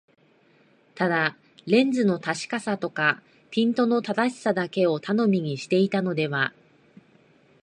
ただレンズの確かさとかピントの正しさだけを頼みにしていたのでは、